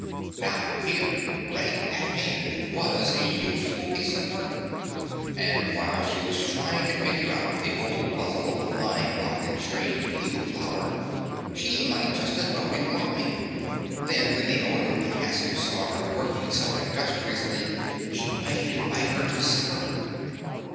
Now here, right at hand, was a useful piece of work, and while she was trying to figure out the whole puzzle of the flying rock and strange blue flower, she might just as well be ploughing. Then when the owner of the castle saw her working so industriously, he might invite her to supper.